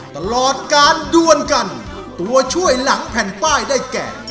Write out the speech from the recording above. ตลอดการด้วนกันตัวช่วยหลังแผ่นป้ายได้แก่